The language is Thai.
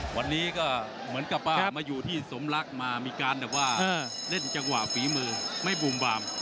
วันนี้ก็เหมือนกับว่ามาอยู่ที่สมรักมามีการแบบว่าเล่นจังหวะฝีมือไม่บูมบาม